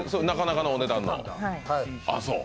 なかなかのお値段の。